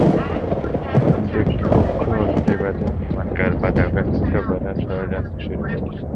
কিন্তু একটি পক্ষ অস্থায়ী বাঁধের নির্মাণকাজ বাধাগ্রস্ত করার ষড়যন্ত্র শুরু করেছে।